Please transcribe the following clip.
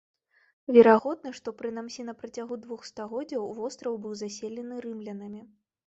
Верагодна, што прынамсі на працягу двух стагоддзяў востраў быў заселены рымлянамі.